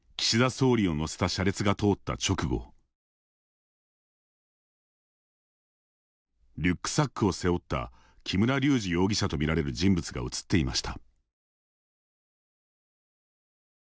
総理を乗せた車列が通った直後リュックサックを背負った木村隆二容疑者と見られる人物が映っていました。